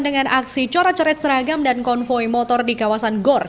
dengan aksi corot coret seragam dan konvoy motor di kawasan gor